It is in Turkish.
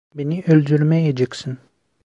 Beni öldürmeyeceksin.